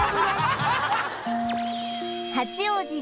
八王子